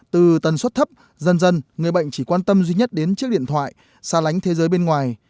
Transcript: từ tần suất thấp dần dần người bệnh chỉ quan tâm duy nhất đến chiếc điện thoại xa lánh thế giới bên ngoài